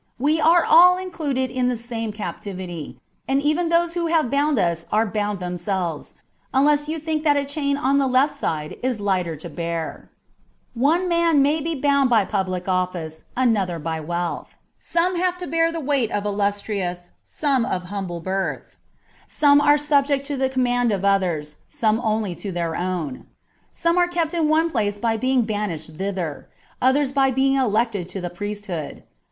we are all included in the same captivity, and even those who have bound us are bound themselves, unless you think that a chain on the left side is lighter to bear : one man may be bound by public 272 MINOR DIALOGUES. [bK. IX. office, another hy wealth : some have to bear the weight of illustrious, some of humble birth : some are subject to the commands of others, some only to their own : some are kept in one place by being banished thither, others by being elected to the priesthood.